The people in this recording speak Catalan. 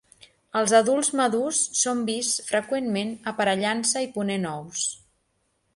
Els adults madurs són vists freqüentment aparellant-se i ponent ous.